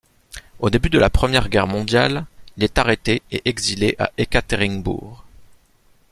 Au début de la Première Guerre mondiale, il est arrêté et exilé vers Ekaterinbourg.